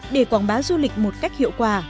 để quảng bá du lịch một cách hiệu quả